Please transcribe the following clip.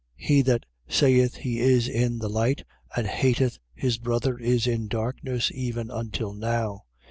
He that saith he is in the light and hateth his brother is in darkness even until now.